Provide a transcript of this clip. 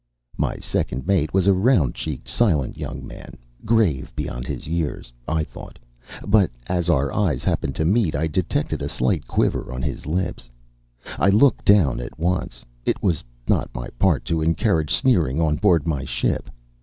My second mate was a round cheeked, silent young man, grave beyond his years, I thought; but as our eyes happened to meet I detected a slight quiver on his lips. I looked down at once. It was not my part to encourage sneering on board my ship.